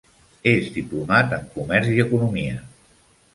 És diplomat en comerç i economia.